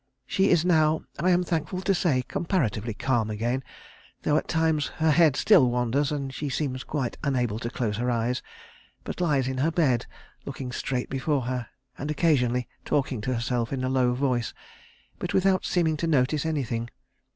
She is now, I am thankful to say, comparatively calm again, though at times her head still wanders, and she seems quite unable to close her eyes, but lies in her bed looking straight before her, and occasionally talking to herself in a low voice, but without seeming to notice anything.